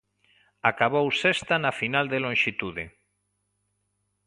Acabou sexta na final de lonxitude.